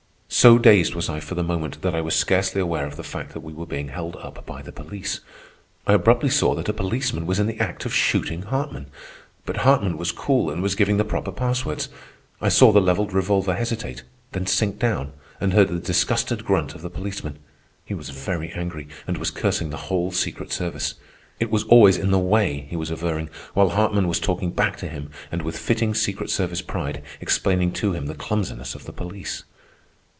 So dazed was I for the moment that I was scarcely aware of the fact that we were being held up by the police. I abruptly saw that a policeman was in the act of shooting Hartman. But Hartman was cool and was giving the proper passwords. I saw the levelled revolver hesitate, then sink down, and heard the disgusted grunt of the policeman. He was very angry, and was cursing the whole secret service. It was always in the way, he was averring, while Hartman was talking back to him and with fitting secret service pride explaining to him the clumsiness of the police.